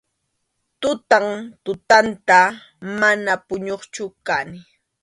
Tutan tutanta, mana puñuqchu kani.